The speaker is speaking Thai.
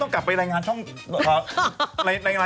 รออยู่วันนั้นมาทำไมไม่รู้